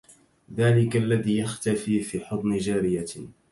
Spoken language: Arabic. ذاك الذي يختفي في حضن جارية